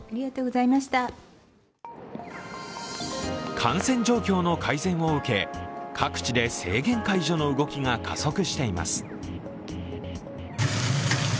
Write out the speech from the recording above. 感染状況の改善を受け各地で制限解除の動きが加速しています。